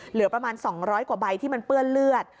เหลือประมาณ๒๐๐กว่าใบที่มันเปื้อนเลือด